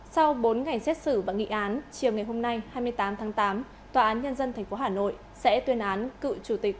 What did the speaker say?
sau bốn ngày xét xử và nghị án chiều ngày hôm nay hai mươi tám tháng tám tòa án nhân dân tp hà nội sẽ tuyên án cựu chủ tịch